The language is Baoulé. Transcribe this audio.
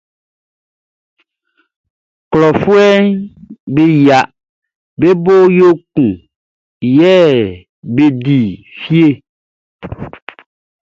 Klɔfuɛʼm be yia be bo yo kun be di fie.